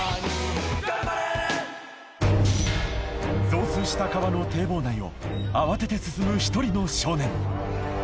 増水した川の堤防内を慌てて進む一人の少年